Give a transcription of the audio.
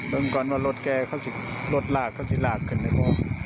เออหน่อยเอาใกล้แล้วใกล้แล้ว